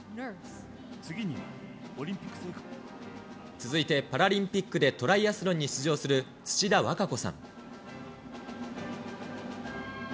続いてパラリンピックでトライアスロンに出場する土田和歌子さん。